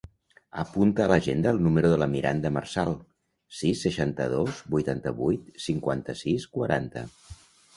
Apunta a l'agenda el número de la Miranda Marsal: sis, seixanta-dos, vuitanta-vuit, cinquanta-sis, quaranta.